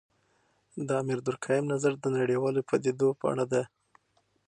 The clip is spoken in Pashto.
د امیل دورکهايم نظر د نړیوالو پدیدو په اړه دی.